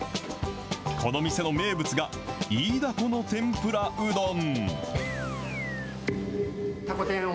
この店の名物が、イイダコの天ぷらうどん。